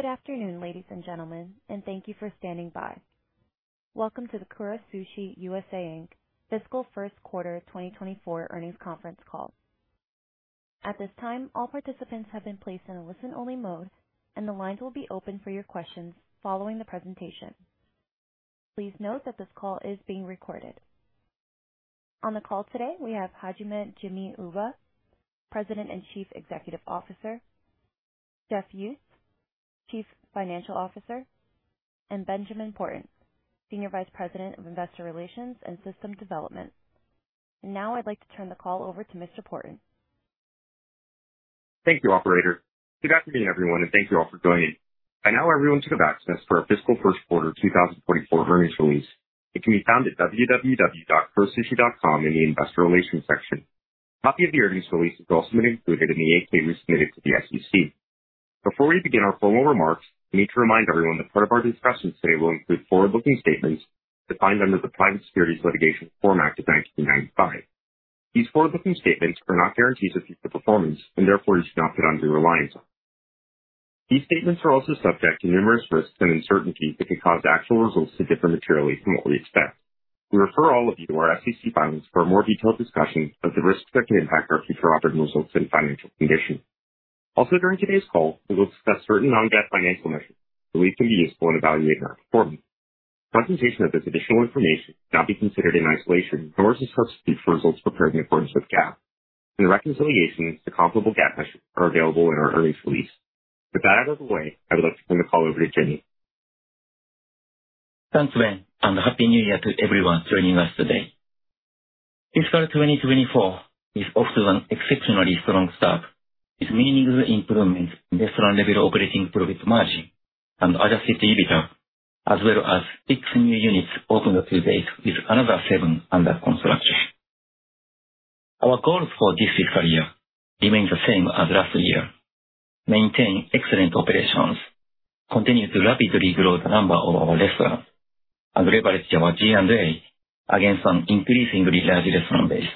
Good afternoon, ladies and gentlemen, and thank you for standing by. Welcome to the Kura Sushi USA Inc. fiscal first quarter 2024 earnings conference call. At this time, all participants have been placed in a listen-only mode, and the lines will be open for your questions following the presentation. Please note that this call is being recorded. On the call today, we have Hajime “Jimmy” Uba, President and Chief Executive Officer, Jeff Uttz, Chief Financial Officer, and Benjamin Porten, Senior Vice President of Investor Relations and System Development. Now I'd like to turn the call over to Mr. Porten. Thank you, operator. Good afternoon, everyone, and thank you all for joining. I know everyone has access to our fiscal first quarter 2024 earnings release. It can be found at www.kurasushi.com in the investor relations section. A copy of the earnings release has also been included in the 8-K we submitted to the SEC. Before we begin our formal remarks, we need to remind everyone that part of our discussion today will include forward-looking statements defined under the Private Securities Litigation Reform Act of 1995. These forward-looking statements are not guarantees of future performance and therefore you should not put undue reliance on them. These statements are also subject to numerous risks and uncertainties that could cause actual results to differ materially from what we expect. We refer all of you to our SEC filings for a more detailed discussion of the risks that can impact our future operating results and financial condition. Also, during today's call, we will discuss certain non-GAAP financial measures that we believe can be useful in evaluating our performance. Presentation of this additional information should not be considered in isolation from or as a substitute for our future results prepared in accordance with GAAP. The reconciliations to comparable GAAP measures are available in our earnings release. With that out of the way, I would like to turn the call over to Jimmy. Thanks, Ben, and Happy New Year to everyone joining us today. Fiscal 2024 is off to an exceptionally strong start, with meaningful improvements in restaurant level operating profit margin and Adjusted EBITDA, as well as six new units opened to date, with another seven under construction. Our goals for this fiscal year remain the same as last year: maintain excellent operations, continue to rapidly grow the number of our restaurants, and leverage our G&A against an increasingly large restaurant base.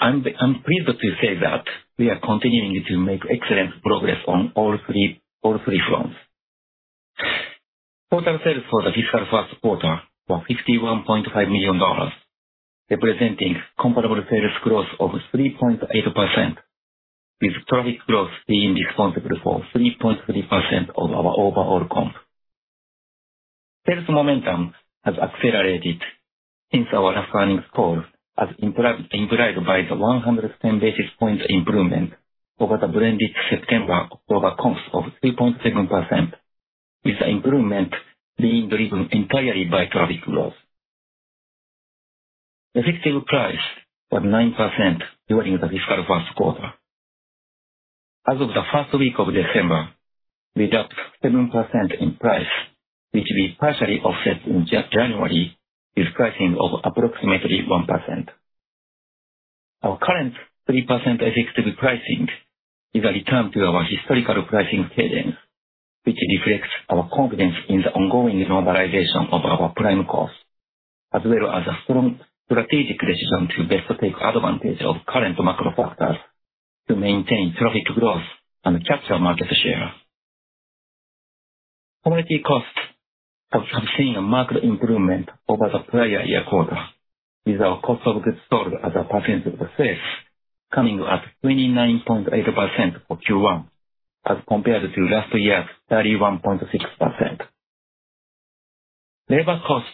I'm pleased to say that we are continuing to make excellent progress on all three, all three fronts. Total sales for the fiscal first quarter were $61.5 million, representing comparable sales growth of 3.8%, with traffic growth being responsible for 3.3% of our overall comp. Sales momentum has accelerated since our last earnings call, as implied by the 110 basis points improvement over the blended September/October comps of 2.7%, with the improvement being driven entirely by traffic growth. Effective price was 9% during the fiscal first quarter. As of the first week of December, we dropped 7% in price, which we partially offset in January with pricing of approximately 1%. Our current 3% effective pricing is a return to our historical pricing cadence, which reflects our confidence in the ongoing normalization of our prime cost, as well as a strong strategic decision to best take advantage of current macro factors to maintain traffic growth and capture market share. Commodity costs have seen a marked improvement over the prior year quarter, with our cost of goods sold as a percentage of sales coming at 29.8% for Q1 as compared to last year's 31.6%. Labor costs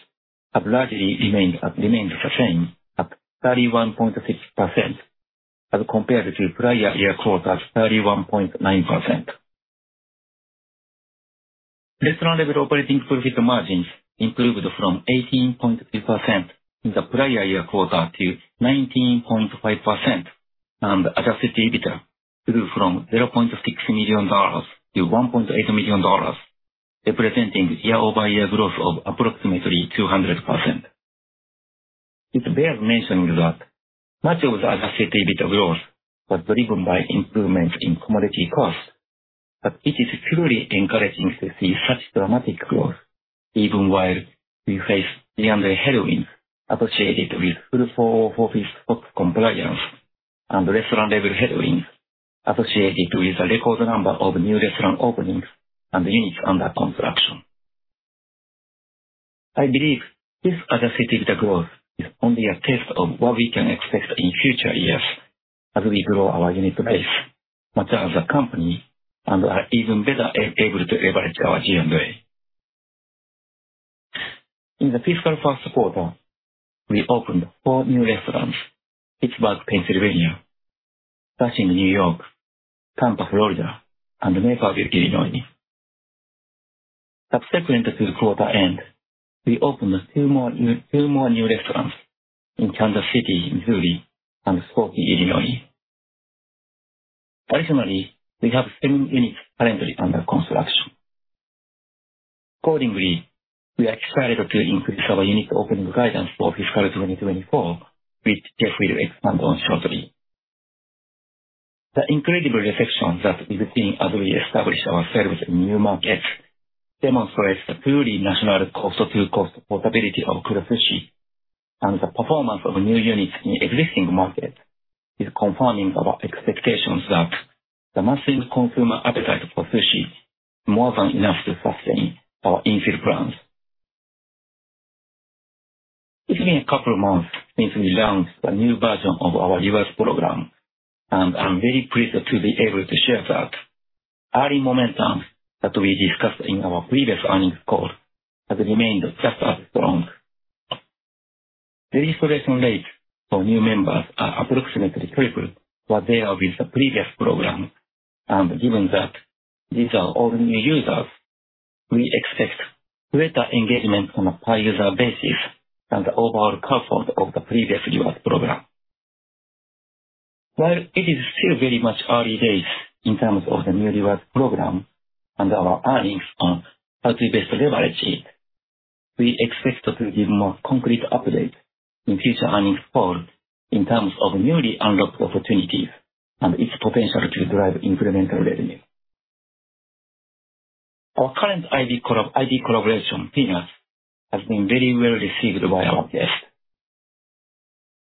have largely remained, remained the same at 31.6% as compared to prior year quarter of 31.9%. Restaurant-level operating profit margins improved from 18.2% in the prior year quarter to 19.5%, and Adjusted EBITDA grew from $0.6 million to $1.8 million, representing year-over-year growth of approximately 200%. It bears mentioning that much of the Adjusted EBITDA growth was driven by improvements in commodity costs, but it is truly encouraging to see such dramatic growth even while we face the underlying headwinds associated with full 404 SOX compliance and restaurant-level headwinds associated with a record number of new restaurant openings and units under construction. I believe this Adjusted EBITDA growth is only a taste of what we can expect in future years as we grow our unit base, mature as a company, and are even better able to leverage our G&A. In the fiscal first quarter, we opened four new restaurants in Pittsburgh, Pennsylvania; Flushing, New York; Tampa, Florida; and Naperville, Illinois. Subsequent to the quarter end, we opened two more new restaurants in Kansas City, Missouri, and Skokie, Illinois. Additionally, we have 10 units currently under construction. Accordingly, we are excited to increase our unit opening guidance for fiscal 2024, which Jeff will expand on shortly. The incredible reception that we've seen as we establish ourselves in new markets demonstrates the truly national coast-to-coast portability of Kura Sushi... and the performance of new units in existing markets is confirming our expectations that the massive consumer appetite for sushi is more than enough to sustain our infill brands. It's been a couple of months since we launched a new version of our rewards program, and I'm very pleased to be able to share that early momentum that we discussed in our previous earnings call has remained just as strong. The installation rates for new members are approximately triple what they are with the previous program, and given that these are all new users, we expect greater engagement on a per user basis and overall conversion of the previous rewards program. While it is still very much early days in terms of the new reward program and our earnings are highly leveraged, we expect to give more concrete updates in future earnings calls in terms of newly unlocked opportunities and its potential to drive incremental revenue. Our current IP collaboration, Peanuts, has been very well received by our guests.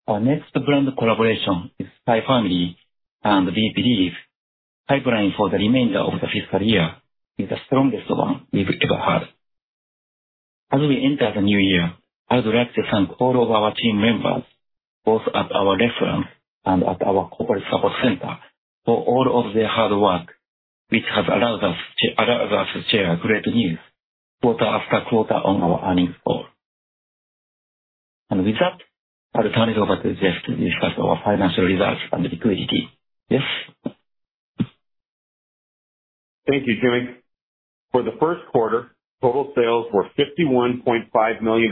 Our next brand collaboration is SPY x FAMILY, and we believe the pipeline for the remainder of the fiscal year is the strongest one we've ever had. As we enter the new year, I would like to thank all of our team members, both at our restaurants and at our corporate support center, for all of their hard work, which has allowed us to, allowed us to share great news quarter after quarter on our earnings call. With that, I'll turn it over to Jeff to discuss our financial results and liquidity. Jeff? Thank you, Jimmy. For the first quarter, total sales were $51.5 million,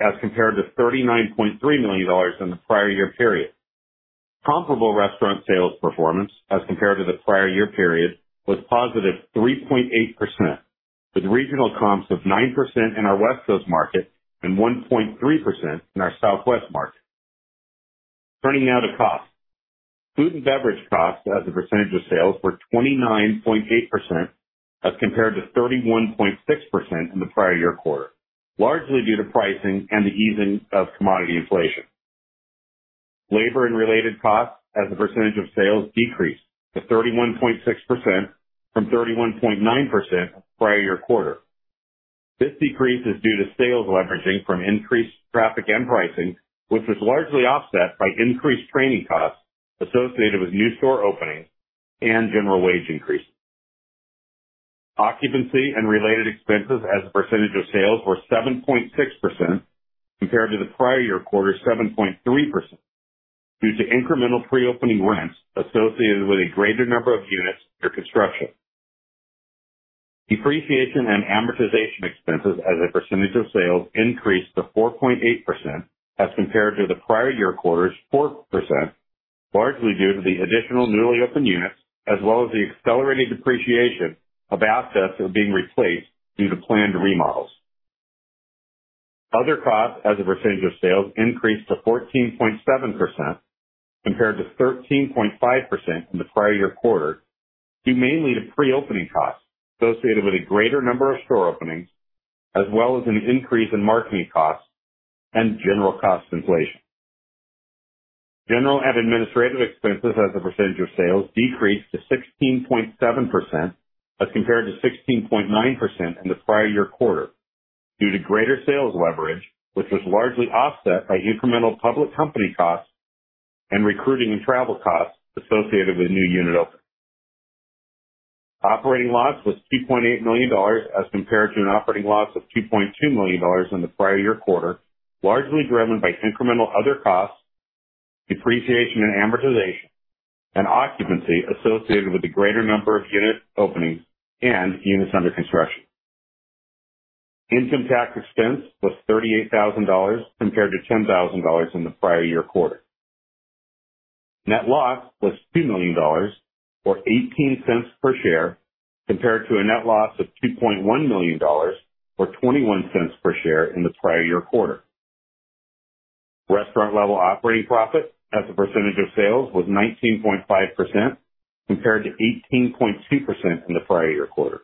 as compared to $39.3 million in the prior year period. Comparable restaurant sales performance as compared to the prior year period was positive 3.8%, with regional comps of 9% in our West Coast market and 1.3% in our Southwest market. Turning now to costs. Food and beverage costs as a percentage of sales were 29.8%, as compared to 31.6% in the prior year quarter, largely due to pricing and the easing of commodity inflation. Labor and related costs as a percentage of sales decreased to 31.6% from 31.9% prior year quarter. This decrease is due to sales leveraging from increased traffic and pricing, which was largely offset by increased training costs associated with new store openings and general wage increases. Occupancy and related expenses as a percentage of sales were 7.6%, compared to the prior year quarter, 7.3%, due to incremental pre-opening rents associated with a greater number of units under construction. Depreciation and amortization expenses as a percentage of sales increased to 4.8%, as compared to the prior year quarter's 4%, largely due to the additional newly opened units, as well as the accelerated depreciation of assets that are being replaced due to planned remodels. Other costs as a percentage of sales increased to 14.7%, compared to 13.5% in the prior year quarter, due mainly to pre-opening costs associated with a greater number of store openings, as well as an increase in marketing costs and general cost inflation. General and administrative expenses as a percentage of sales decreased to 16.7%, as compared to 16.9% in the prior year quarter, due to greater sales leverage, which was largely offset by incremental public company costs and recruiting and travel costs associated with new unit openings. Operating loss was $2.8 million, as compared to an operating loss of $2.2 million in the prior year quarter, largely driven by incremental other costs, depreciation and amortization, and occupancy associated with the greater number of unit openings and units under construction. Income tax expense was $38,000, compared to $10,000 in the prior year quarter. Net loss was $2 million, or $0.18 per share, compared to a net loss of $2.1 million, or $0.21 per share in the prior year quarter. Restaurant level operating profit as a percentage of sales was 19.5%, compared to 18.2% in the prior year quarter.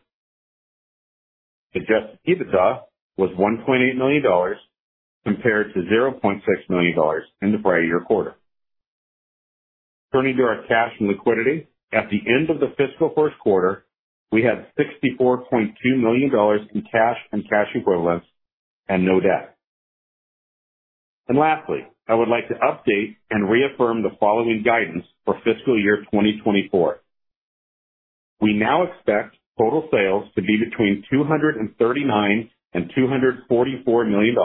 Adjusted EBITDA was $1.8 million, compared to $0.6 million in the prior year quarter. Turning to our cash and liquidity. At the end of the fiscal first quarter, we had $64.2 million in cash and cash equivalents and no debt. And lastly, I would like to update and reaffirm the following guidance for fiscal year 2024. We now expect total sales to be between $239 million and $244 million.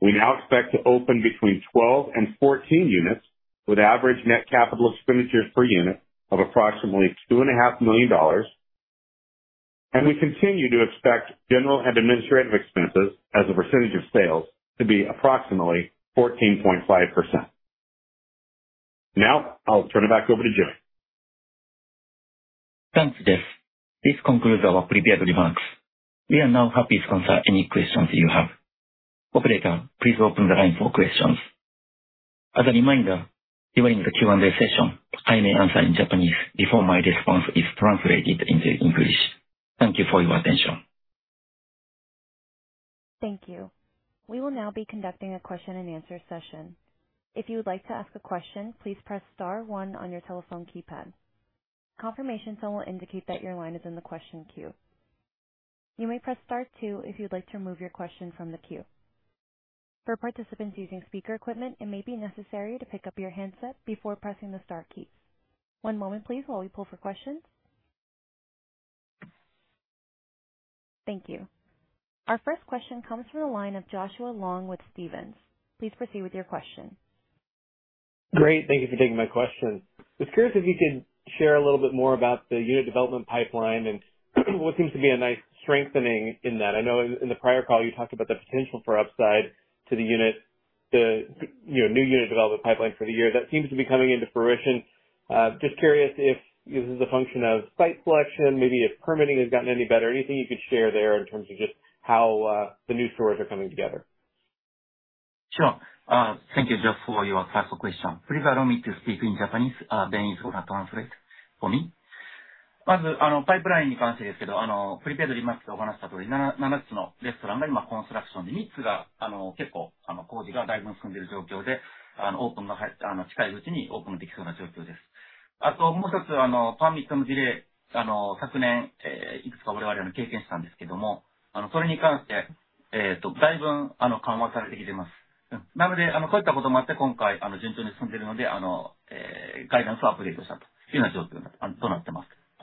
We now expect to open between 12 and 14 units, with average net capital expenditures per unit of approximately $2.5 million. And we continue to expect general and administrative expenses as a percentage of sales to be approximately 14.5%. Now, I'll turn it back over to Jimmy. Thanks, Jeff. This concludes our prepared remarks. We are now happy to answer any questions you have. Operator, please open the line for questions. ...As a reminder, during the Q&A session, I may answer in Japanese before my response is translated into English. Thank you for your attention. Thank you. We will now be conducting a question and answer session. If you would like to ask a question, please press star one on your telephone keypad. Confirmation tone will indicate that your line is in the question queue. You may press star two if you'd like to remove your question from the queue. For participants using speaker equipment, it may be necessary to pick up your handset before pressing the star key. One moment, please, while we pull for questions. Thank you. Our first question comes from the line of Joshua Long with Stephens. Please proceed with your question. Great. Thank you for taking my question. Just curious if you could share a little bit more about the unit development pipeline and what seems to be a nice strengthening in that. I know in the prior call, you talked about the potential for upside to the unit, the, you know, new unit development pipeline for the year. That seems to be coming into fruition. Just curious if this is a function of site selection, maybe if permitting has gotten any better, anything you could share there in terms of just how the new stores are coming together? Sure. Thank you, Josh, for your first question. Please allow me to speak in Japanese, then it's gonna translate for me.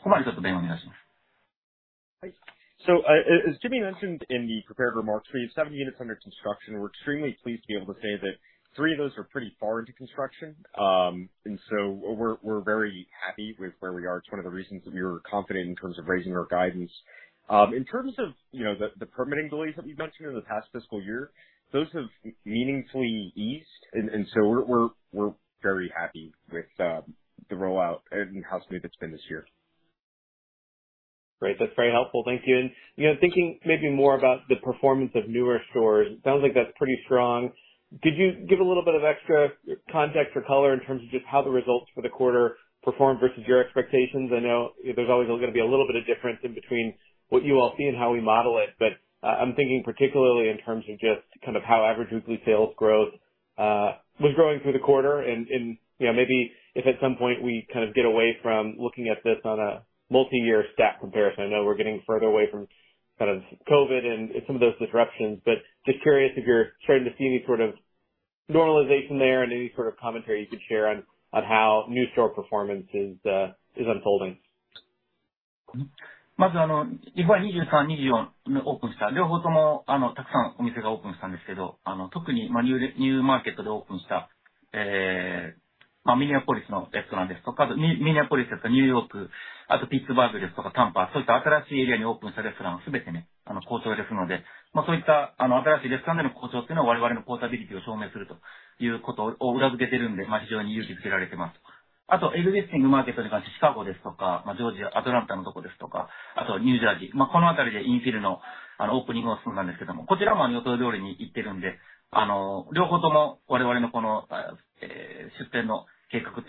So, as Jimmy mentioned in the prepared remarks, we have seven units under construction. We're extremely pleased to be able to say that three of those are pretty far into construction. And so we're very happy with where we are. It's one of the reasons that we were confident in terms of raising our guidance. In terms of, you know, the permitting delays that we've mentioned in the past fiscal year, those have meaningfully eased, and so we're very happy with the rollout and how smooth it's been this year. Great. That's very helpful. Thank you. And, you know, thinking maybe more about the performance of newer stores, it sounds like that's pretty strong. Could you give a little bit of extra context or color in terms of just how the results for the quarter performed versus your expectations? I know there's always going to be a little bit of difference in between what you all see and how we model it, but, I'm thinking particularly in terms of just kind of how average weekly sales growth was growing through the quarter. You know, maybe if at some point we kind of get away from looking at this on a multiyear stack comparison, I know we're getting further away from kind of COVID and some of those disruptions, but just curious if you're starting to see any sort of normalization there and any sort of commentary you could share on how new store performance is unfolding? Hi. In terms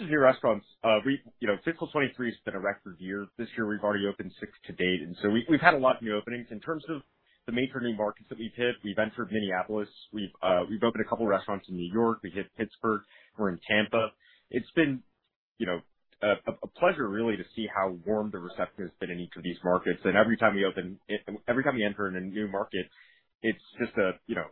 of new restaurants, we, you know, fiscal 2023 has been a record year. This year we've already opened 6th to date, and so we've had a lot of new openings. In terms of the major new markets that we've hit, we've entered Minneapolis, we've opened a couple restaurants in New York. We hit Pittsburgh. We're in Tampa. It's been, you know, a pleasure really to see how warm the reception has been in each of these markets. And every time we open it, every time we enter in a new market, it's just a, you know,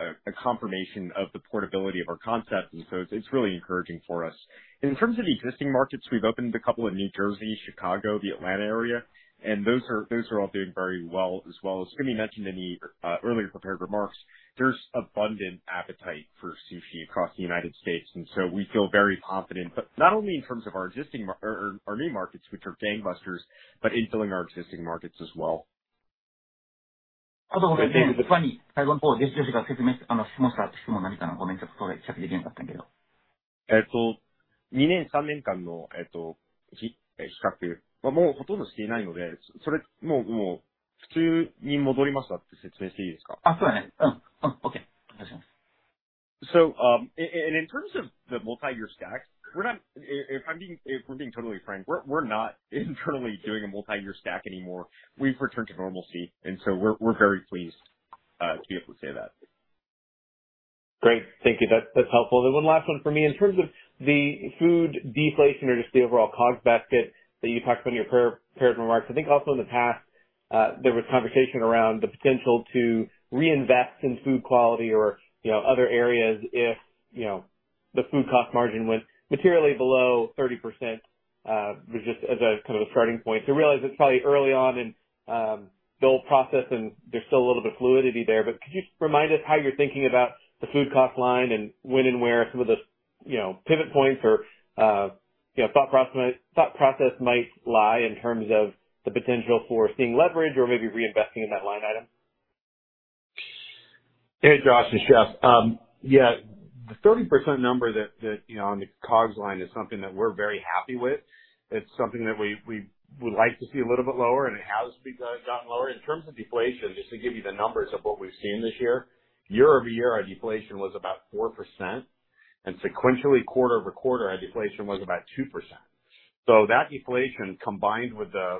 a confirmation of the portability of our concept, and so it's really encouraging for us. In terms of the existing markets, we've opened a couple in New Jersey, Chicago, the Atlanta area, and those are all doing very well as well. As Jimmy mentioned in the earlier prepared remarks, there's abundant appetite for sushi across the United States, and so we feel very confident, but not only in terms of our existing markets or our new markets, which are gangbusters, but in filling our existing markets as well. So, in terms of the multiyear stacks, we're not... If I'm being, if we're being totally frank, we're not internally doing a multiyear stack anymore. We've returned to normalcy, and so we're very pleased to be able to say that. Great. Thank you. That's, that's helpful. Then one last one for me. In terms of the food deflation or just the overall COGS basket that you talked about in your pre-prepared remarks, I think also in the past, there was conversation around the potential to reinvest in food quality or, you know, other areas if, you know, the food cost margin went materially below 30%, was just as a kind of a starting point. So I realize it's probably early on in, the old process and there's still a little bit of fluidity there, but could you just remind us how you're thinking about the food cost line and when and where some of the, you know, pivot points or, you know, thought process might lie in terms of the potential for seeing leverage or maybe reinvesting in that line item?... Hey, Josh, it's Jeff. Yeah, the 30% number that you know on the COGS line is something that we're very happy with. It's something that we would like to see a little bit lower, and it has become gotten lower. In terms of deflation, just to give you the numbers of what we've seen this year, year-over-year, our deflation was about 4%, and sequentially, quarter-over-quarter, our deflation was about 2%. So that deflation, combined with the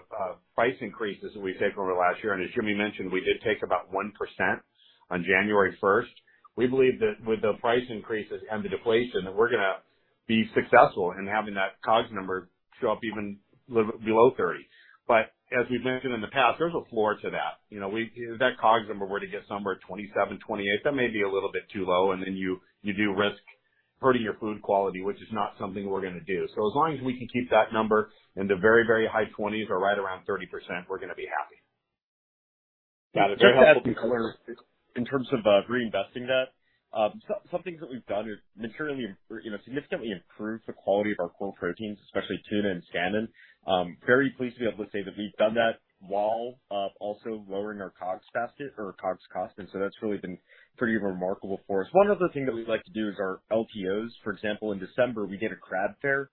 price increases that we took over last year, and as Jimmy mentioned, we did take about 1% on January 1st. We believe that with the price increases and the deflation, that we're gonna be successful in having that COGS number show up even below 30%. But as we've mentioned in the past, there's a floor to that. You know, if that COGS number were to get somewhere at 27-28, that may be a little bit too low, and then you do risk hurting your food quality, which is not something we're gonna do. So as long as we can keep that number in the very, very high 20s or right around 30%, we're gonna be happy. Got it. In terms of reinvesting that, some things that we've done is materially you know, significantly improved the quality of our core proteins, especially tuna and salmon. Very pleased to be able to say that we've done that while also lowering our COGS basket or COGS costs, and so that's really been pretty remarkable for us. One other thing that we like to do is our LTOs. For example, in December, we did a crab fair.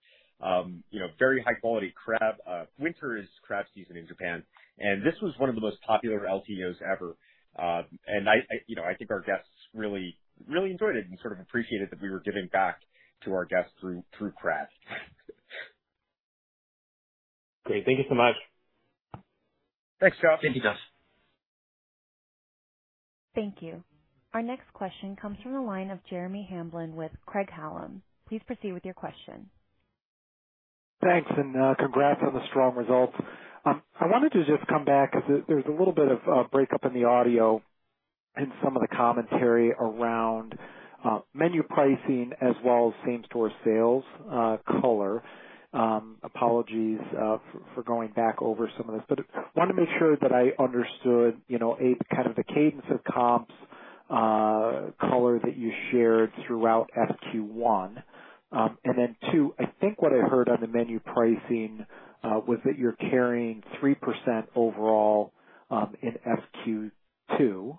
You know, very high quality crab. Winter is crab season in Japan, and this was one of the most popular LTOs ever. And I you know, I think our guests really, really enjoyed it and sort of appreciated that we were giving back to our guests through crab. Great. Thank you so much. Thanks, Josh. Thank you, Josh. Thank you. Our next question comes from the line of Jeremy Hamblin with Craig-Hallum. Please proceed with your question. Thanks, and congrats on the strong results. I wanted to just come back, as there, there's a little bit of breakup in the audio in some of the commentary around menu pricing as well as same-store sales color. Apologies for going back over some of this, but I wanted to make sure that I understood, you know, A, kind of the cadence of comps color that you shared throughout Q1. And then, two, I think what I heard on the menu pricing was that you're carrying 3% overall in Q2.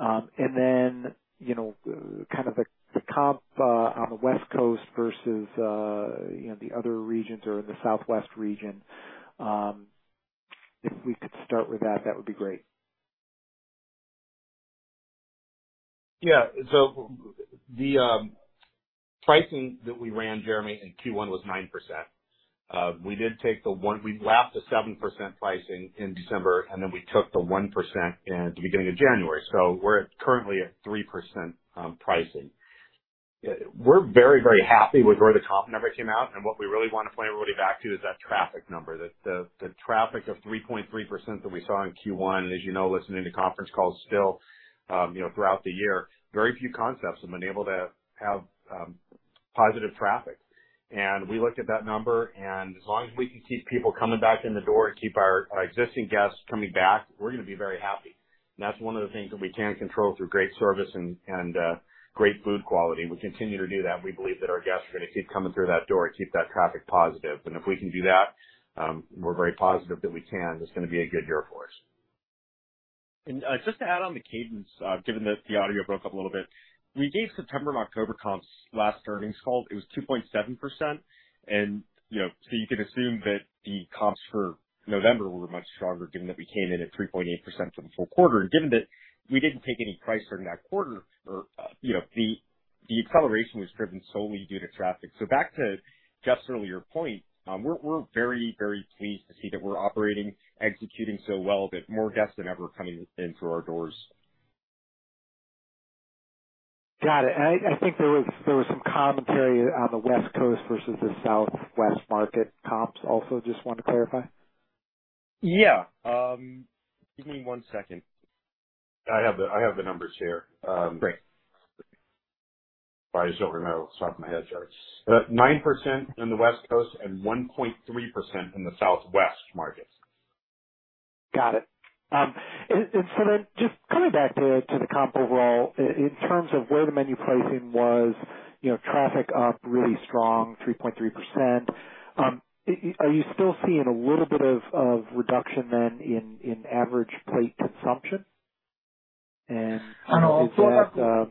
And then, you know, kind of the comp on the West Coast versus, you know, the other regions or in the Southwest region. If we could start with that, that would be great. Yeah. So the pricing that we ran, Jeremy, in Q1 was 9%. We did take the one. We left a 7% pricing in December, and then we took the 1% in the beginning of January. So we're currently at 3% pricing. We're very, very happy with where the comp number came out, and what we really want to point everybody back to is that traffic number. The traffic of 3.3% that we saw in Q1, and as you know, listening to conference calls still, you know, throughout the year, very few concepts have been able to have positive traffic. And we looked at that number, and as long as we can keep people coming back in the door and keep our existing guests coming back, we're gonna be very happy. That's one of the things that we can control through great service and great food quality. We continue to do that, and we believe that our guests are gonna keep coming through that door and keep that traffic positive. If we can do that, we're very positive that we can, it's gonna be a good year for us. Just to add on the cadence, given that the audio broke up a little bit, we gave September and October comps last earnings call. It was 2.7%. And, you know, so you can assume that the comps for November were much stronger given that we came in at 3.8% for the full quarter. And given that we didn't take any price during that quarter or, you know, the, the acceleration was driven solely due to traffic. So back to Jeff's earlier point, we're, we're very, very pleased to see that we're operating, executing so well that more guests than ever are coming in through our doors. Got it. I think there was some commentary on the West Coast versus the Southwest market comps also. Just want to clarify. Yeah, give me one second. I have the numbers here. Great. I just don't remember off the top of my head, sorry. 9% in the West Coast and 1.3% in the Southwest market. Got it. And so then just coming back to the comp overall, in terms of where the menu pricing was, you know, traffic up really strong, 3.3%. Are you still seeing a little bit of reduction then in average plate consumption? And is that...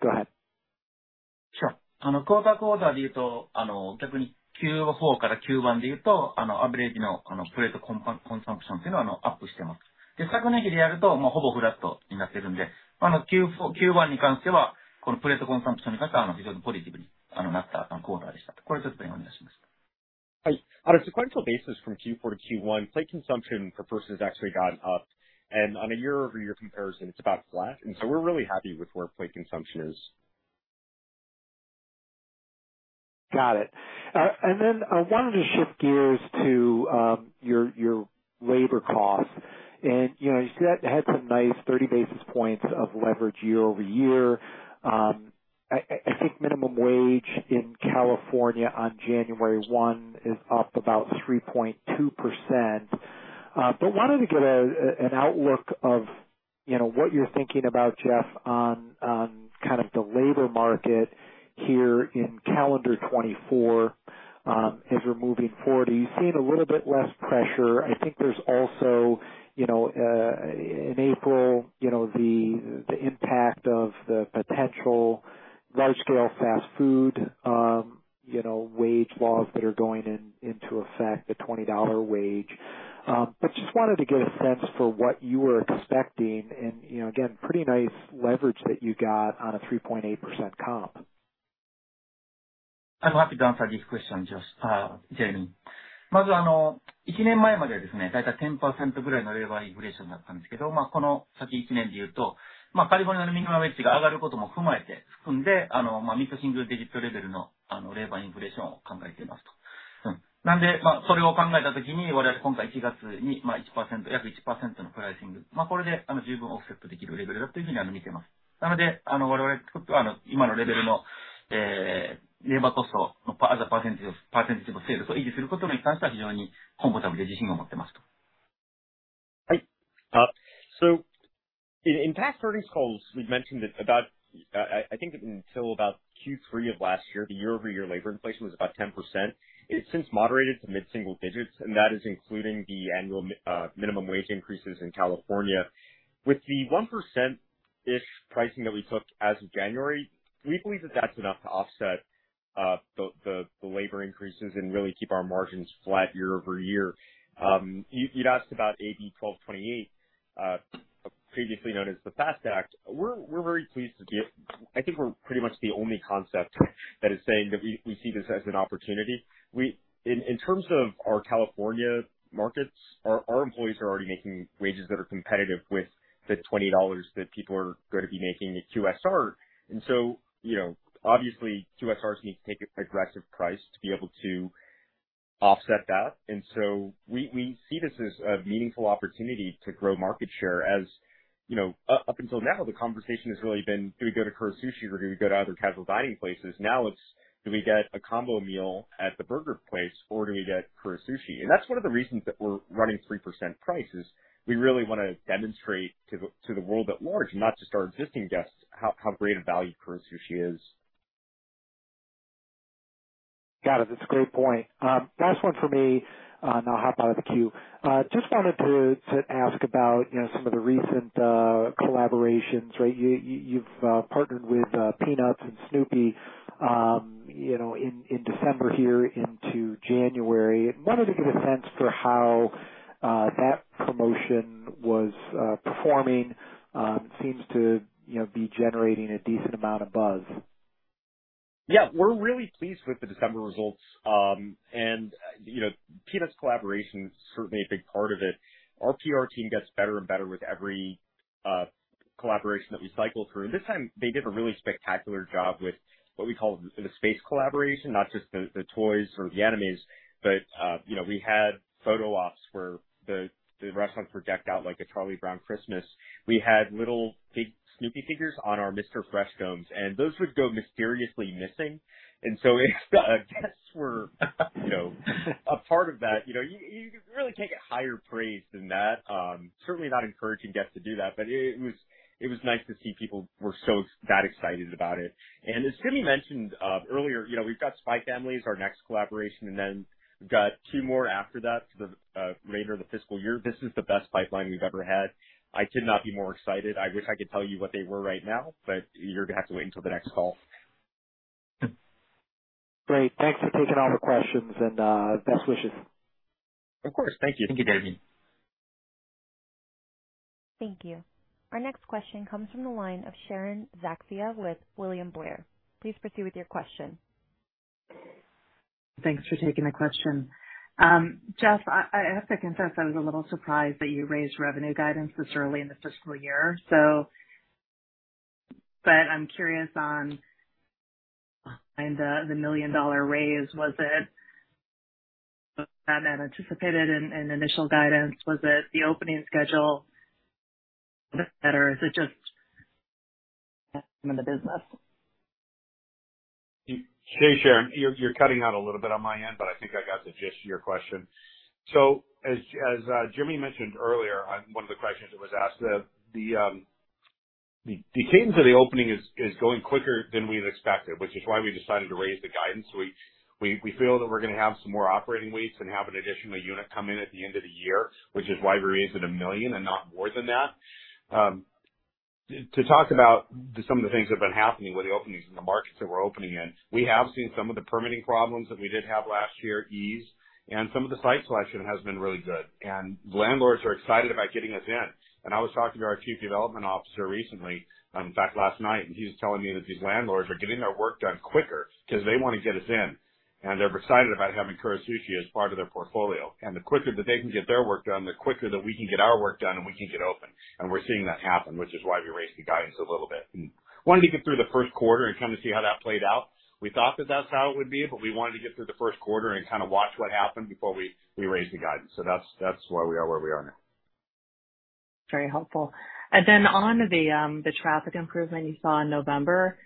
Go ahead. Sure. On a sequential basis from Q4 to Q1, plate consumption per person has actually gone up, and on a year-over-year comparison, it's about flat. And so we're really happy with where plate consumption is. Got it. And then I wanted to shift gears to your labor costs. And, you know, you had some nice 30 basis points of leverage year-over-year. I think minimum wage in California on January 1 is up about 3.2%. But wanted to get an outlook of, you know, what you're thinking about, Jeff, on kind of the labor market here in calendar 2024, as we're moving forward, are you seeing a little bit less pressure? I think there's also, you know, in April, you know, the impact of the potential large scale fast food, you know, wage laws that are going into effect, the $20 wage. But just wanted to get a sense for what you were expecting and, you know, again, pretty nice leverage that you got on a 3.8% comp. I'm happy to answer this question, Josh, Jamie. In past earnings calls, we've mentioned that about I think that until about Q3 of last year, the year-over-year labor inflation was about 10%. It has since moderated to mid-single digits, and that is including the annual minimum wage increases in California. With the 1%-ish pricing that we took as of January, we believe that that's enough to offset the labor increases and really keep our margins flat year-over-year. You'd asked about AB 1228, previously known as the FAST Act. We're very pleased to be... I think we're pretty much the only concept that is saying that we see this as an opportunity. In terms of our California markets, our employees are already making wages that are competitive with the $20 that people are going to be making at QSR. And so, you know, obviously QSRs need to take an aggressive price to be able to offset that. And so we see this as a meaningful opportunity to grow market share. As you know, up until now, the conversation has really been: Do we go to Kura Sushi or do we go to other casual dining places? Now it's: Do we get a combo meal at the burger place or do we get Kura Sushi? And that's one of the reasons that we're running 3% prices. We really want to demonstrate to the world at large, not just our existing guests, how great a value Kura Sushi is. Got it. That's a great point. Last one for me, and I'll hop out of the queue. Just wanted to ask about, you know, some of the recent collaborations, right? You've partnered with Peanuts and Snoopy, you know, in December here into January. Wanted to get a sense for how that promotion was performing. Seems to, you know, be generating a decent amount of buzz. Yeah, we're really pleased with the December results. And, you know, Peanuts collaboration is certainly a big part of it. Our PR team gets better and better with every collaboration that we cycle through. And this time, they did a really spectacular job with what we call the space collaboration. Not just the toys or the animes, but you know, we had photo ops where the restaurants were decked out like a Charlie Brown Christmas. We had little big Snoopy figures on our Mr. Fresh cones, and those would go mysteriously missing. And so our guests were, you know, a part of that. You know, you really can't get higher praise than that. Certainly not encouraging guests to do that, but it was nice to see people were so excited about it. As Jimmy mentioned, earlier, you know, we've got Spy Family, as our next collaboration, and then we've got two more after that for the remainder of the fiscal year. This is the best pipeline we've ever had. I could not be more excited. I wish I could tell you what they were right now, but you're gonna have to wait until the next call. Great. Thanks for taking all the questions, and, best wishes. Of course. Thank you. Thank you, Jimmy. Thank you. Our next question comes from the line of Sharon Zackfia with William Blair. Please proceed with your question. Thanks for taking the question. Jeff, I have to confess, I was a little surprised that you raised revenue guidance this early in the fiscal year, so. But I'm curious on, behind the million-dollar raise, was it not anticipated in initial guidance? Was it the opening schedule better, or is it just in the business? Hey, Sharon, you're cutting out a little bit on my end, but I think I got the gist of your question. So as Jimmy mentioned earlier on one of the questions that was asked, the cadence of the opening is going quicker than we've expected, which is why we decided to raise the guidance. We feel that we're gonna have some more operating weeks and have an additional unit come in at the end of the year, which is why we raised it $1 million and not more than that. To talk about some of the things that have been happening with the openings in the markets that we're opening in. We have seen some of the permitting problems that we did have last year ease, and some of the site selection has been really good, and landlords are excited about getting us in. And I was talking to our Chief Development Officer recently, in fact, last night, and he was telling me that these landlords are getting their work done quicker because they want to get us in, and they're excited about having Kura Sushi as part of their portfolio. And the quicker that they can get their work done, the quicker that we can get our work done and we can get open. And we're seeing that happen, which is why we raised the guidance a little bit. Wanted to get through the first quarter and kind of see how that played out. We thought that that's how it would be, but we wanted to get through the first quarter and kind of watch what happened before we, we raised the guidance. So that's, that's why we are where we are now. Very helpful. And then on the traffic improvement you saw in November,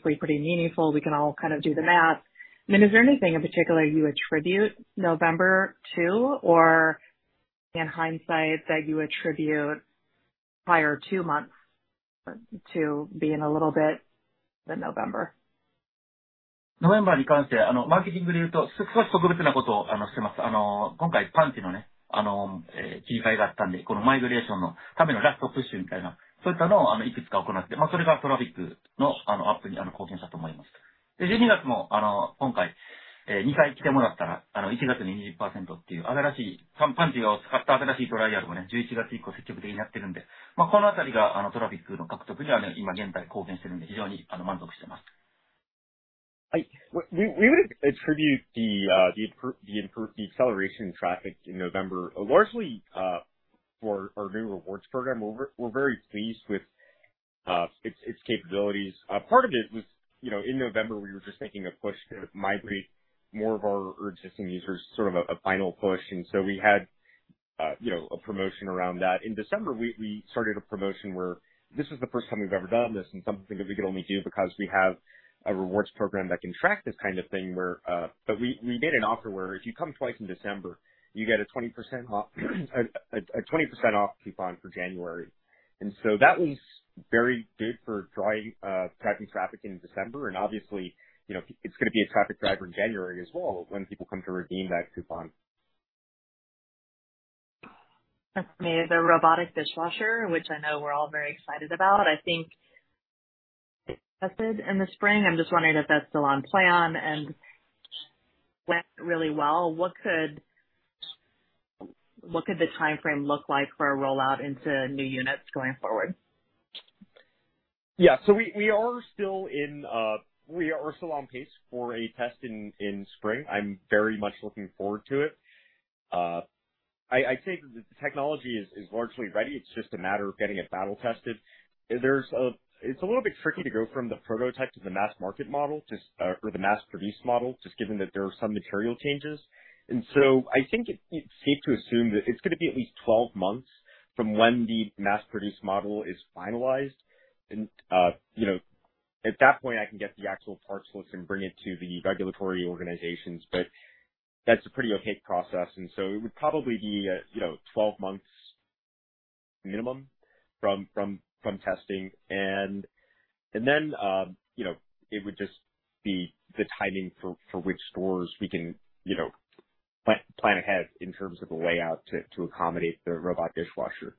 pretty meaningful. We can all kind of do the math. And then is there anything in particular you attribute November to or in hindsight, that you attribute the prior two months to be in a little bit than November? 11月から。マーケティングでいうと、少し特別なことを、あの、してます。あの、今回Punchhのね、あの、切り替えがあったんで、このマイグレーションのためのラストプッシュみたいな、そういったのを、あの、いくつかやって、まあ、それがトラフィックの、あの、アップに、あの、貢献したと思います。で、12月も、あの、今回、二回来てもらったら、あの、1月に20%っていう新しいPunchhを使った、新しいトライアルもね、11月以降積極的にやってるんで、まあ、この辺りが、あの、トラフィックの獲得にはね、今現在貢献してるんで、非常に、あの、満足してます。We would attribute the acceleration in traffic in November largely for our new rewards program. We're very pleased with its capabilities. Part of it was, you know, in November, we were just making a push to migrate more of our existing users, sort of a final push. And so we had, you know, a promotion around that. In December, we started a promotion where... This is the first time we've ever done this, and something that we could only do because we have a rewards program that can track this kind of thing where, but we did an offer where if you come twice in December, you get a 20% off, a 20% off coupon for January. And so that was very good for drawing, driving traffic in December. And obviously, you know, it's gonna be a traffic driver in January as well when people come to redeem that coupon. That's great. The robotic dishwasher, which I know we're all very excited about. I think it tested in the spring. I'm just wondering if that's still on plan and went really well. What could the timeframe look like for a rollout into new units going forward? Yeah. So we are still on pace for a test in spring. I'm very much looking forward to it. I think the technology is largely ready. It's just a matter of getting it battle tested. There's a... It's a little bit tricky to go from the prototype to the mass market model, just, or the mass produced model, just given that there are some material changes. And so I think it's safe to assume that it's gonna be at least 12 months from when the mass produced model is finalized. And, you know, at that point, I can get the actual parts list and bring it to the regulatory organizations, but that's a pretty opaque process, and so it would probably be, you know, 12 months minimum from testing. And then, you know, it would just be the timing for which stores we can, you know, plan ahead in terms of the layout to accommodate the robot dishwasher.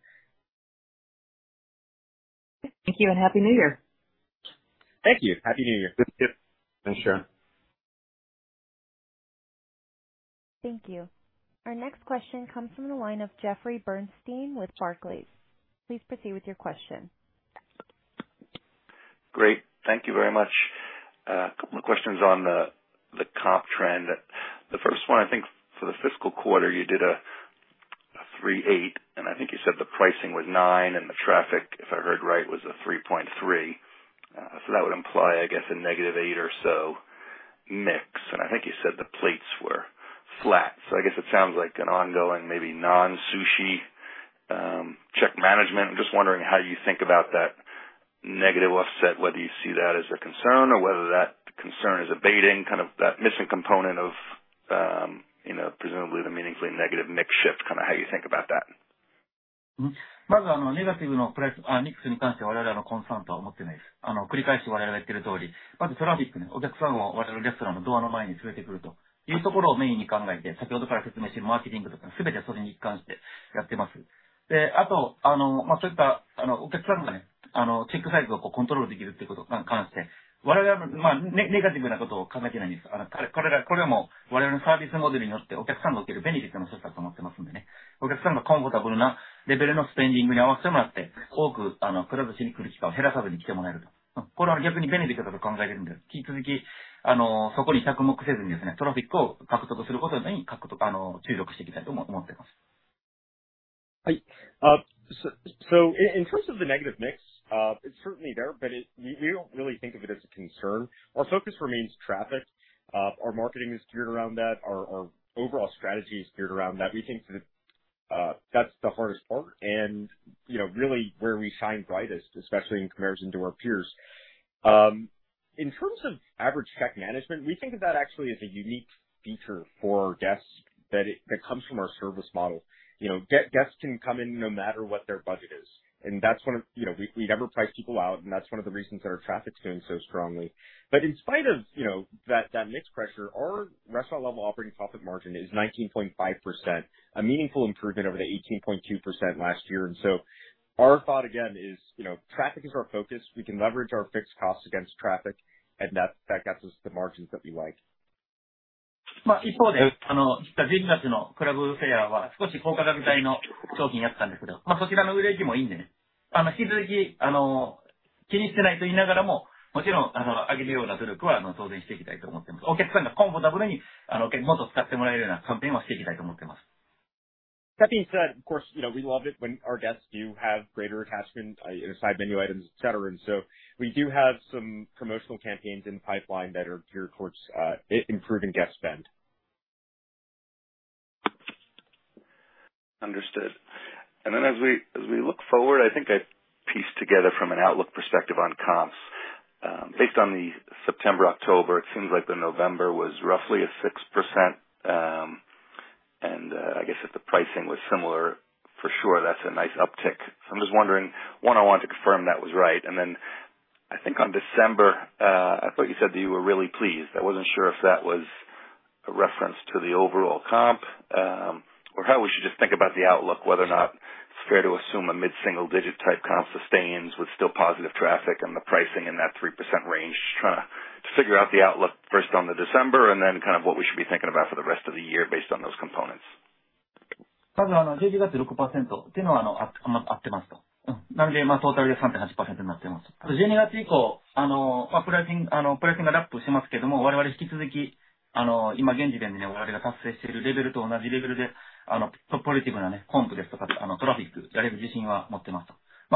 Thank you, and Happy New Year. Thank you. Happy New Year. Thank you. Thanks, Sharon. Thank you. Our next question comes from the line of Jeffrey Bernstein with Barclays. Please proceed with your question. Great. Thank you very much. A couple of questions on the comp trend. The first one, I think for the fiscal quarter, you did a 3.8%, and I think you said the pricing was 9%, and the traffic, if I heard right, was a 3.3%. So that would imply, I guess, a -8% or so mix. And I think you said the plates were flat. So I guess it sounds like an ongoing, maybe non-sushi, check management. I'm just wondering how you think about that negative offset, whether you see that as a concern or whether that concern is abating, kind of that missing component of, you know, presumably the meaningfully negative mix shift, kind of how you think about that. うん、まず、あの、ネガティブのプライス、ミックスに関して、我々はコンサーンを持ってません。あの、繰り返して我々が言ってる通り、まずトラフィックね、お客さんを我々のレストランのドアの前に連れてくるところをメインに考えて、先ほどから説明しているマーケティングとか、すべてそれに関してやってます。で、あと、あの、まあ、そういった、お客さんがね、あの、チェックサイズを、こう、コントロールできることとか、に関して、我々は、まあ、ネガティブなことを考えてません。あの、これら、これも我々のサービスモデルによって、お客さんが受ける便利さの一つと思ってますんでね。お客さんがコンフォタブルなレベルのスペンディングに合わせて貰って、多く、あの、Kura Sushiに来る機会を減らさずに来てもらえると。うん、これは逆に便利だと思って るんで、引き続き、あの、そこに着目せずにね、トラフィックを取得することに、注力していきたいと思ってます。So in terms of the negative mix, it's certainly there, but it. We don't really think of it as a concern. Our focus remains traffic. Our marketing is geared around that. Our overall strategy is geared around that. We think that that's the hardest part and, you know, really where we shine brightest, especially in comparison to our peers. In terms of average check management, we think of that actually as a unique feature for guests, that that comes from our service model. You know, guests can come in no matter what their budget is, and that's one of. You know, we never price people out, and that's one of the reasons that our traffic's doing so strongly. But in spite of, you know, that, that mix pressure, our restaurant-level operating profit margin is 19.5%, a meaningful improvement over the 18.2% last year. And so our thought again is, you know, traffic is our focus. We can leverage our fixed costs against traffic, and that, that gets us the margins that we like. That being said, of course, you know, we love it when our guests do have greater attachment in our side menu items, et cetera. And so we do have some promotional campaigns in the pipeline that are geared towards improving guest spend. Understood. And then as we look forward, I think I pieced together from an outlook perspective on comps. Based on the September, October, it seems like the November was roughly a 6%. And, I guess if the pricing was similar, for sure, that's a nice uptick. So I'm just wondering, one, I wanted to confirm that was right. And then I think on December, I thought you said that you were really pleased. I wasn't sure if that was a reference to the overall comp, or how we should just think about the outlook, whether or not it's fair to assume a mid-single digit type comp sustains with still positive traffic and the pricing in that 3% range. Trying to figure out the outlook first on the December and then kind of what we should be thinking about for the rest of the year based on those components. So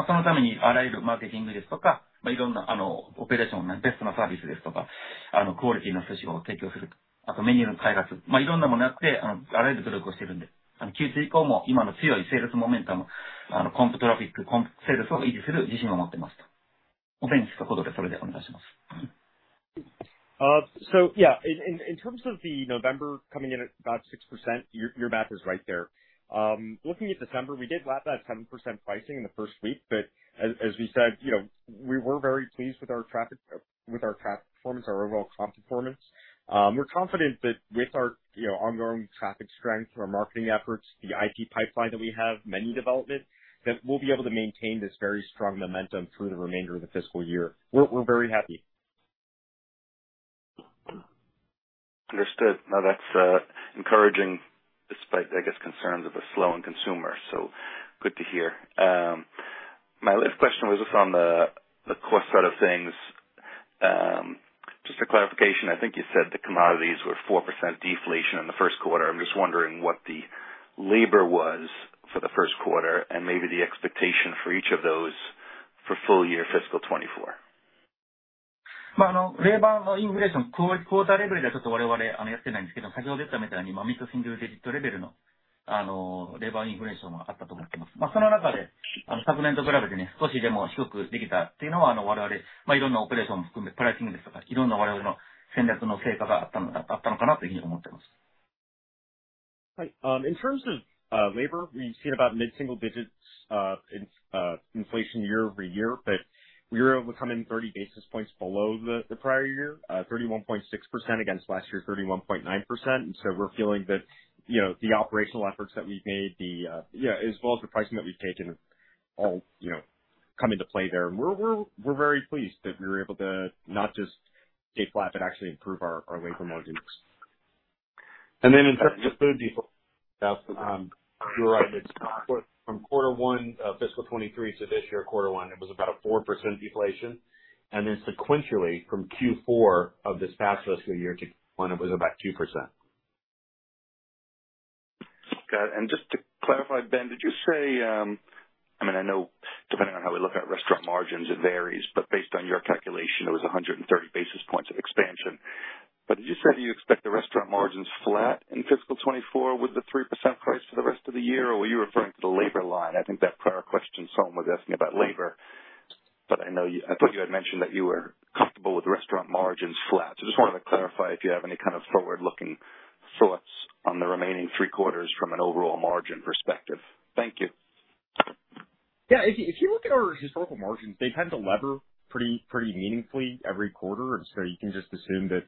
yeah, in terms of the November coming in at about 6%, your math is right there. Looking at December, we did lap that 7% pricing in the first week, but as we said, you know, we were very pleased with our traffic performance, our overall comp performance. We're confident that with our, you know, ongoing traffic strength, our marketing efforts, the IP pipeline that we have, menu development, that we'll be able to maintain this very strong momentum through the remainder of the fiscal year. We're very happy. Understood. Now, that's encouraging, despite, I guess, concerns of a slowing consumer. So good to hear. My last question was just on the cost side of things. Just a clarification. I think you said the commodities were 4% deflation in the first quarter. I'm just wondering what the labor was for the first quarter and maybe the expectation for each of those for full year fiscal 2024. Right. In terms of labor, we've seen about mid-single digits in inflation year-over-year, but we were able to come in 30 basis points below the prior year, 31.6% against last year, 31.9%. So we're feeling that, you know, the operational efforts that we've made, the yeah, as well as the pricing that we've taken, all, you know, come into play there. And we're very pleased that we were able to not just stay flat but actually improve our labor margins. In terms of food deflation, you are right, it's from Q1 of fiscal 2023 to this year, Q1, it was about a 4% deflation, and then sequentially, from Q4 of this past fiscal year to Q1, it was about 2%. Okay. And just to clarify, Ben, did you say, I mean, I know depending on how we look at restaurant margins, it varies, but based on your calculation, it was 100 basis points of expansion. But did you say that you expect the restaurant margins flat in fiscal 2024 with the 3% price for the rest of the year, or were you referring to the labor line? I think that prior question, someone was asking about labor, but I know you--I thought you had mentioned that you were comfortable with restaurant margins flat. So just wanted to clarify if you have any kind of forward-looking thoughts on the remaining three quarters from an overall margin perspective. Thank you. Yeah, if you look at our historical margins, they tend to lever pretty meaningfully every quarter. So you can just assume that,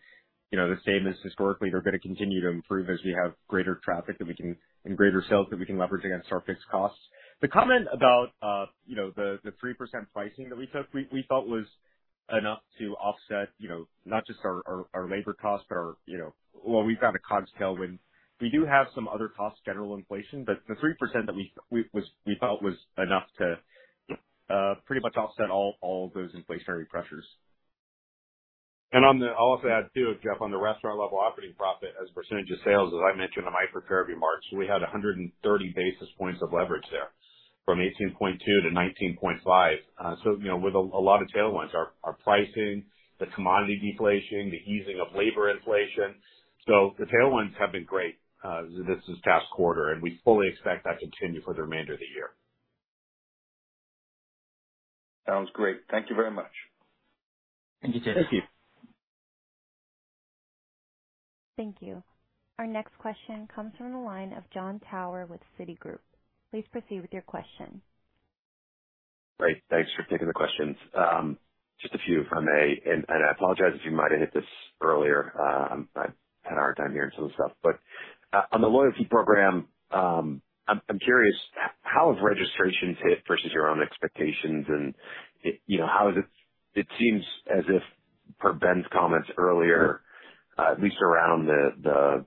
you know, the same as historically, they're going to continue to improve as we have greater traffic and greater sales that we can leverage against our fixed costs. The comment about, you know, the 3% pricing that we took, we thought was enough to offset, you know, not just our labor costs, but, you know, well, we've got a COGS tailwind. We do have some other costs, general inflation, but the 3% that we thought was enough to pretty much offset all those inflationary pressures. And on the... I'll also add, too, Jeff, on the restaurant level operating profit as a percentage of sales, as I mentioned on my prepared remarks, we had 130 basis points of leverage there, from 18.2 to 19.5. So, you know, with a, a lot of tailwinds, our, our pricing, the commodity deflation, the easing of labor inflation. So the tailwinds have been great, this, this past quarter, and we fully expect that to continue for the remainder of the year. Sounds great. Thank you very much. Thank you. Thank you. Thank you. Our next question comes from the line of Jon Tower with Citigroup. Please proceed with your question. Great, thanks for taking the questions. Just a few from a... And I apologize if you might have hit this earlier. I've had a hard time hearing some of the stuff. But on the loyalty program, I'm curious, how have registrations hit versus your own expectations? And you know, how is it, it seems as if, per Ben's comments earlier, at least around the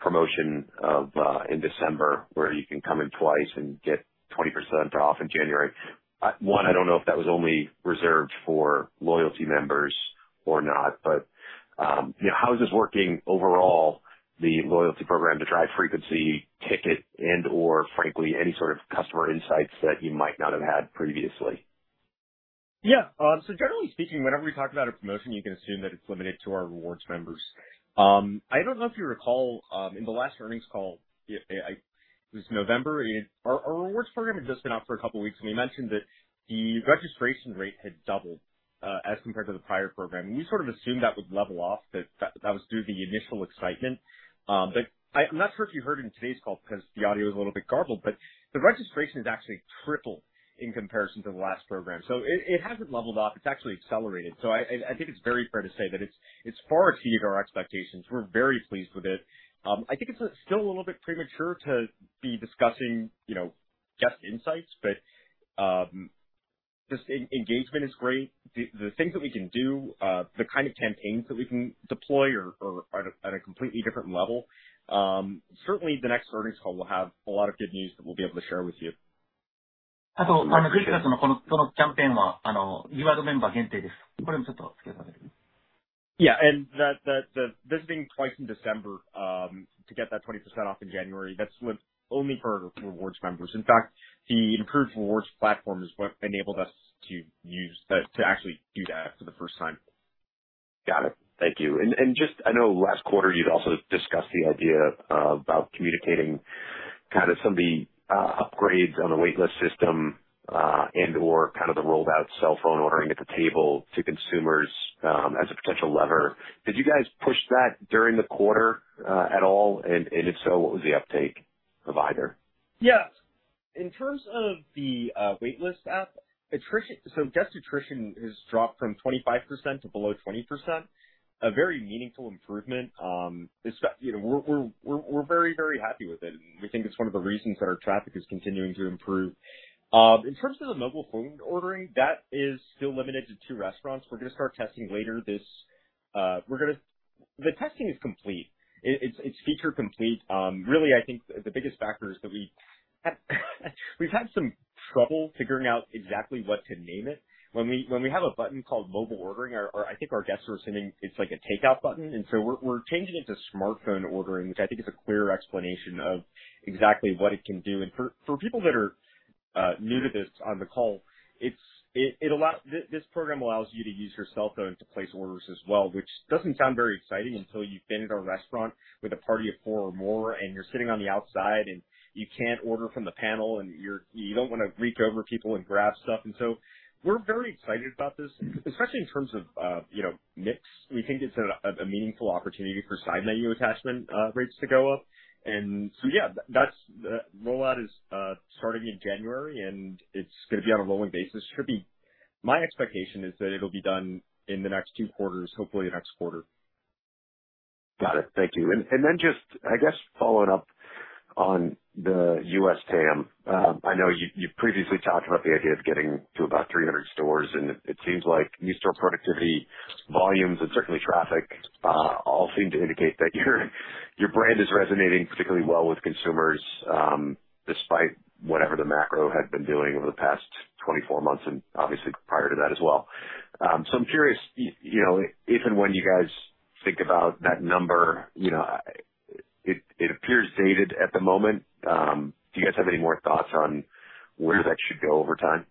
promotion in December, where you can come in twice and get 20% off in January. I don't know if that was only reserved for loyalty members or not, but you know, how is this working overall, the loyalty program to drive frequency, ticket, and/or frankly, any sort of customer insights that you might not have had previously? Yeah. So generally speaking, whenever we talk about a promotion, you can assume that it's limited to our rewards members. I don't know if you recall, in the last earnings call, it was November, and our rewards program had just been out for a couple of weeks, and we mentioned that the registration rate had doubled, as compared to the prior program. We sort of assumed that would level off, that was due to the initial excitement. But I'm not sure if you heard in today's call because the audio is a little bit garbled, but the registration has actually tripled in comparison to the last program. So it hasn't leveled off. It's actually accelerated. So I think it's very fair to say that it's far exceeded our expectations. We're very pleased with it. I think it's still a little bit premature to be discussing, you know, guest insights, but just engagement is great. The things that we can do, the kind of campaigns that we can deploy are at a completely different level. Certainly, the next earnings call will have a lot of good news that we'll be able to share with you. Yeah, and that, the visiting twice in December to get that 20% off in January, that's only for rewards members. In fact, the improved rewards platform is what enabled us to use that to actually do that for the first time. Got it. Thank you. And just I know last quarter you'd also discussed the idea about communicating kind of some of the upgrades on the waitlist system and/or kind of the rolled out cell phone ordering at the table to consumers as a potential lever. Did you guys push that during the quarter at all? And if so, what was the uptake of either? Yeah. In terms of the waitlist app, attrition... So guest attrition has dropped from 25% to below 20%, a very meaningful improvement. Especially, you know, we're very, very happy with it, and we think it's one of the reasons that our traffic is continuing to improve. In terms of the mobile phone ordering, that is still limited to two restaurants. We're gonna start testing later this... The testing is complete. It's feature complete. Really, I think the biggest factor is that we've had some trouble figuring out exactly what to name it. When we have a button called mobile ordering, I think our guests are assuming it's like a takeout button, and so we're changing it to smartphone ordering, which I think is a clearer explanation of exactly what it can do. And for people that are new to this on the call, this program allows you to use your cell phone to place orders as well, which doesn't sound very exciting until you've been at our restaurant with a party of four or more, and you're sitting on the outside, and you can't order from the panel, and you don't want to reach over people and grab stuff. And so we're very excited about this, especially in terms of, you know, mix. We think it's a meaningful opportunity for side menu attachment rates to go up. And so, yeah, that's the rollout is starting in January, and it's gonna be on a rolling basis. Should be... My expectation is that it'll be done in the next two quarters, hopefully next quarter. Got it. Thank you. And then just, I guess, following up on the US TAM. I know you, you've previously talked about the idea of getting to about 300 stores, and it seems like new store productivity, volumes, and certainly traffic, all seem to indicate that your brand is resonating particularly well with consumers, despite whatever the macro had been doing over the past 24 months and obviously prior to that as well. So I'm curious, you know, if and when you guys think about that number, you know, it appears dated at the moment. Do you guys have any more thoughts on where that should go over time?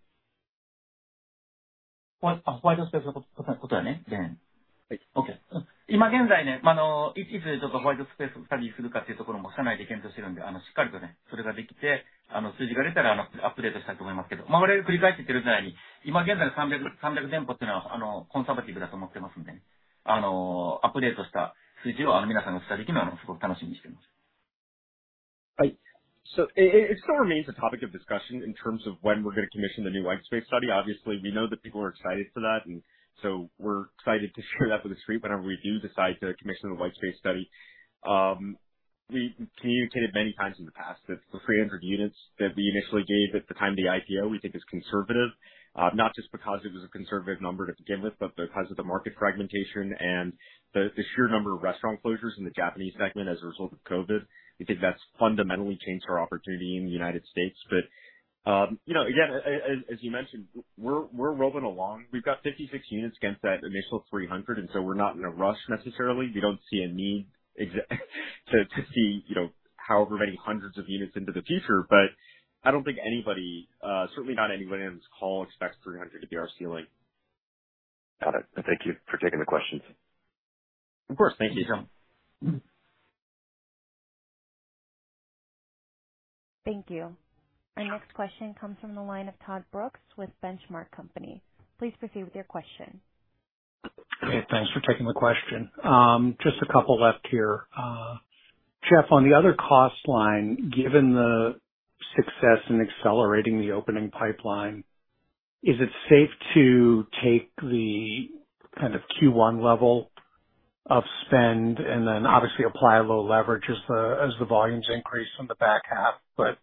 So it still remains a topic of discussion in terms of when we're going to commission the new white space study. Obviously, we know that people are excited for that, and so we're excited to share that with the street whenever we do decide to commission the white space study. We communicated many times in the past that the 300 units that we initially gave at the time of the IPO, we think is conservative. Not just because it was a conservative number to begin with, but because of the market fragmentation and the sheer number of restaurant closures in the Japanese segment as a result of COVID. We think that's fundamentally changed our opportunity in the United States. But, you know, again, as you mentioned, we're rolling along. We've got 56 units against that initial 300, and so we're not in a rush necessarily. We don't see a need to see, you know, however many hundreds of units into the future. But I don't think anybody, certainly not anybody on this call, expects 300 to be our ceiling. Got it. Thank you for taking the questions. Of course. Thank you, sir. Thank you. Our next question comes from the line of Todd Brooks with Benchmark Company. Please proceed with your question. Hey, thanks for taking the question. Just a couple left here. Jeff, on the other cost line, given the success in accelerating the opening pipeline, is it safe to take the kind of Q1 level of spend and then obviously apply a little leverage as the volumes increase on the back half? But,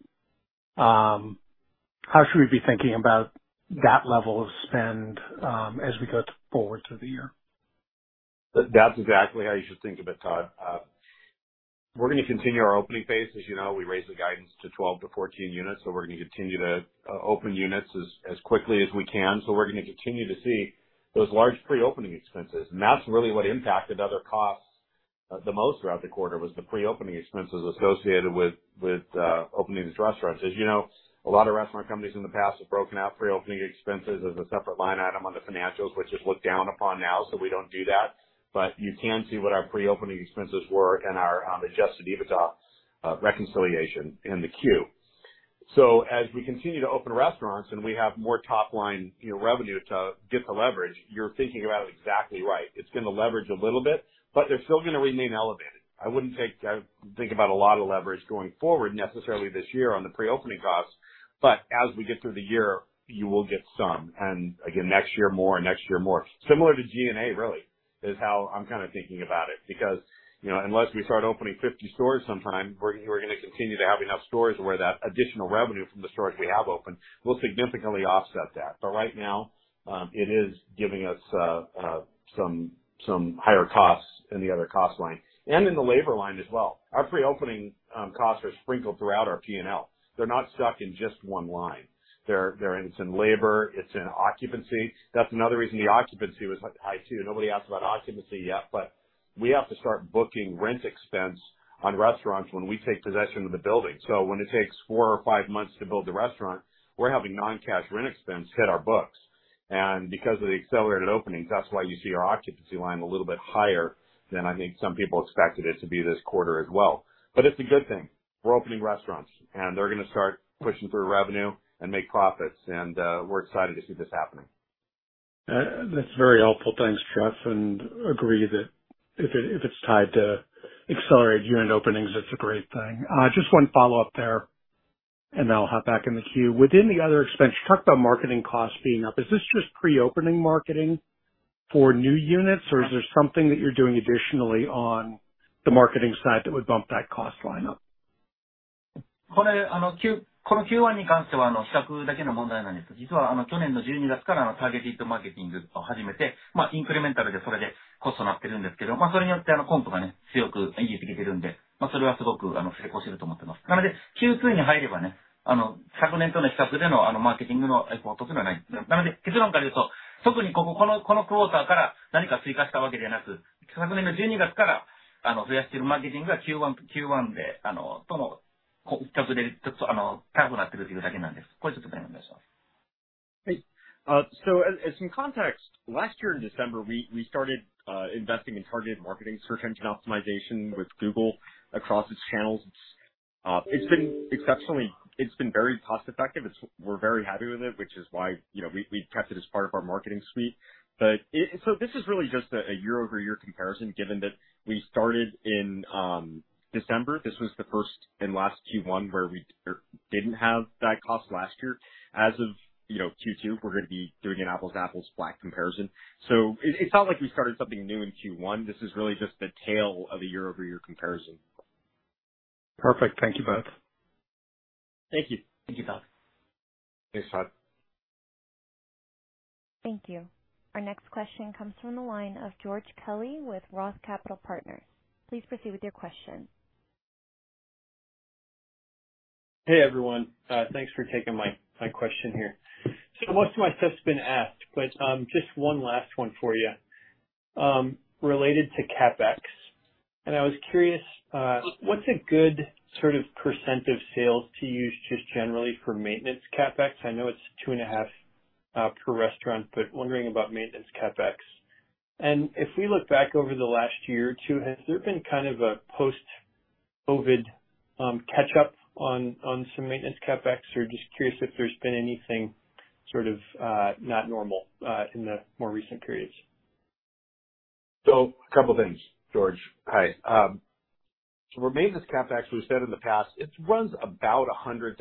how should we be thinking about that level of spend as we go forward through the year? That's exactly how you should think of it, Todd. We're gonna continue our opening pace. As you know, we raised the guidance to 12-14 units, so we're gonna continue to open units as quickly as we can. So we're gonna continue to see those large pre-opening expenses. And that's really what impacted other costs the most throughout the quarter, was the pre-opening expenses associated with opening these restaurants. As you know, a lot of restaurant companies in the past have broken out pre-opening expenses as a separate line item on the financials, which is looked down upon now, so we don't do that. But you can see what our pre-opening expenses were and our Adjusted EBITDA reconciliation in the queue.... So as we continue to open restaurants and we have more top line, you know, revenue to get the leverage, you're thinking about it exactly right. It's gonna leverage a little bit, but they're still gonna remain elevated. I wouldn't think about a lot of leverage going forward necessarily this year on the pre-opening costs, but as we get through the year, you will get some and again, next year, more, and next year, more. Similar to G&A, really, is how I'm kind of thinking about it. Because, you know, unless we start opening 50 stores sometime, we're gonna continue to have enough stores where that additional revenue from the stores we have opened will significantly offset that. But right now, it is giving us some higher costs in the other cost line and in the labor line as well. Our pre-opening costs are sprinkled throughout our P&L. They're not stuck in just one line. They're, they're in some labor, it's in occupancy. That's another reason the occupancy was high, too. Nobody asked about occupancy yet, but we have to start booking rent expense on restaurants when we take possession of the building. So when it takes four or five months to build the restaurant, we're having non-cash rent expense hit our books. And because of the accelerated openings, that's why you see our occupancy line a little bit higher than I think some people expected it to be this quarter as well. But it's a good thing. We're opening restaurants, and they're gonna start pushing through revenue and make profits. And we're excited to see this happening. That's very helpful. Thanks, Jeff, and agree that if it's tied to accelerated year-end openings, it's a great thing. Just one follow-up there, and then I'll hop back in the queue. Within the other expense, you talked about marketing costs being up. Is this just pre-opening marketing for new units, or is there something that you're doing additionally on the marketing side that would bump that cost line up? Hey, so as some context, last year in December, we started investing in targeted marketing search engine optimization with Google across its channels. It's been very cost-effective. We're very happy with it, which is why, you know, we've kept it as part of our marketing suite. But it, so this is really just a year-over-year comparison, given that we started in December. This was the first and last Q1 where we didn't have that cost last year. As of, you know, Q2, we're gonna be doing an apples-to-apples comparison. So it, it's not like we started something new in Q1. This is really just the tail of a year-over-year comparison. Perfect. Thank you both. Thank you. Thank you, Todd. Thanks, Todd. Thank you. Our next question comes from the line of George Kelly with Roth Capital Partners. Please proceed with your question. Hey, everyone. Thanks for taking my, my question here. So most of my stuff's been asked, but just one last one for you, related to CapEx. And I was curious, what's a good sort of percent of sales to use just generally for maintenance CapEx? I know it's 2.5, per restaurant, but wondering about maintenance CapEx. And if we look back over the last year or two, has there been kind of a post-COVID catch-up on, on some maintenance CapEx? Or just curious if there's been anything sort of, not normal, in the more recent periods. So a couple things, George. Hi. So maintenance CapEx, we've said in the past, it runs about $100,000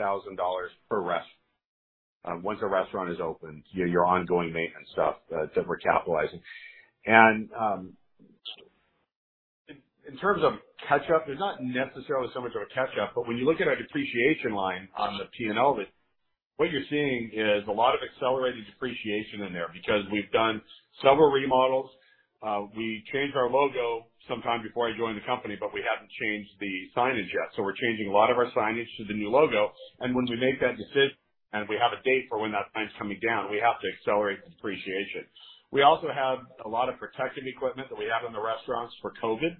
per restaurant. Once a restaurant is open, your, your ongoing maintenance stuff, that we're capitalizing. And, in terms of catch-up, there's not necessarily so much of a catch-up, but when you look at our depreciation line on the P&L, what you're seeing is a lot of accelerated depreciation in there because we've done several remodels. We changed our logo sometime before I joined the company, but we haven't changed the signage yet, so we're changing a lot of our signage to the new logo. And when we make that decision and we have a date for when that sign's coming down, we have to accelerate the depreciation. We also have a lot of protective equipment that we have in the restaurants for COVID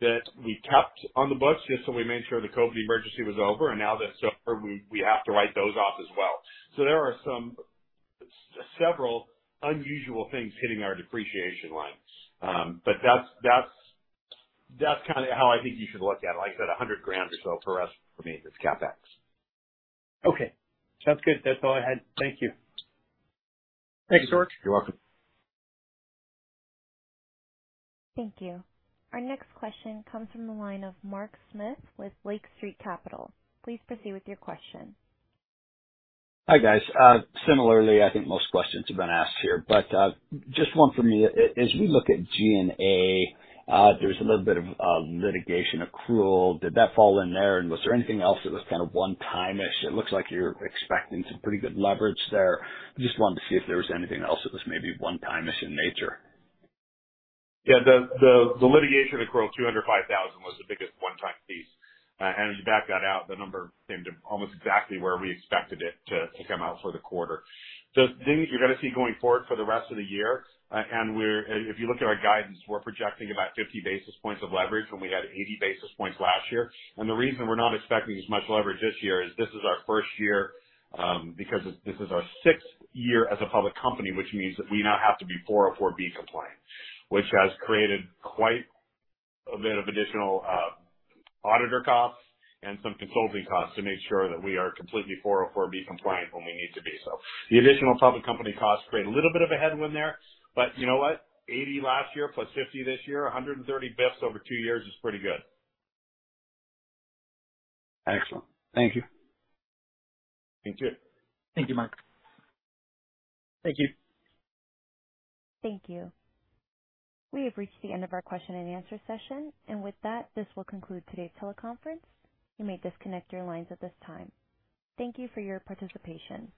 that we kept on the books just so we made sure the COVID emergency was over, and now that it's over, we have to write those off as well. So there are several unusual things hitting our depreciation lines. But that's kind of how I think you should look at it. Like I said, $100,000 or so per restaurant per maintenance CapEx. Okay, sounds good. That's all I had. Thank you. Thanks, George. You're welcome. Thank you. Our next question comes from the line of Mark Smith with Lake Street Capital Markets. Please proceed with your question. Hi, guys. Similarly, I think most questions have been asked here, but just one for me. As we look at G&A, there's a little bit of litigation accrual. Did that fall in there, and was there anything else that was kind of one-time-ish? It looks like you're expecting some pretty good leverage there. Just wanted to see if there was anything else that was maybe one-time-ish in nature. Yeah, the litigation accrual, $205,000, was the biggest one-time piece. And as you back that out, the number came to almost exactly where we expected it to come out for the quarter. The things you're gonna see going forward for the rest of the year, and we're... If you look at our guidance, we're projecting about 50 basis points of leverage, and we had 80 basis points last year. The reason we're not expecting as much leverage this year is this is our first year, because this, this is our sixth year as a public company, which means that we now have to be 404(b) compliant, which has created quite a bit of additional auditor costs and some consulting costs to make sure that we are completely 404(b) compliant when we need to be. So the additional public company costs create a little bit of a headwind there, but you know what? 80 last year plus 50 this year, 130 basis points over two years is pretty good. Excellent. Thank you. Thank you. Thank you, Mark. Thank you. Thank you. We have reached the end of our question-and-answer session. With that, this will conclude today's teleconference. You may disconnect your lines at this time. Thank you for your participation.